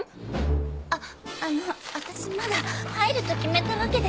あっあの私まだ入ると決めたわけでは。